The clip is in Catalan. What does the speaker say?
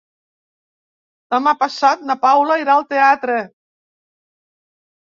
Demà passat na Paula irà al teatre.